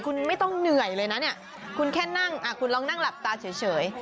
คุณไม่ต้องเหนื่อยเลยคุณแค่นั่งตากลับเฉย